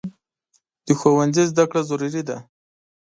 د ښوونځي زده کړه ضروري ده.